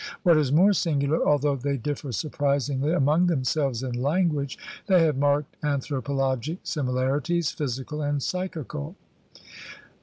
What is more singular, although they differ surprisingly among them selves in language, they have marked anthropologic similarities, physical and psychical.